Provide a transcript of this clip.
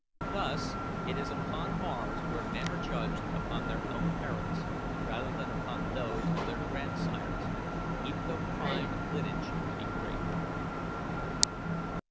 Thus it is upon Mars where men are judged upon their own merits rather than upon those of their grandsires, even though pride of lineage be great.